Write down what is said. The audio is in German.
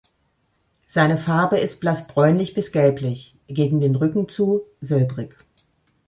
Seine Farbe ist blass bräunlich bis gelblich, gegen den Rücken zu silbrig.